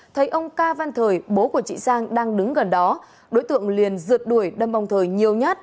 thấy ông ca văn thời bố của chị sang đang đứng gần đó đối tượng liền rượt đuổi đâm ông thời nhiều nhát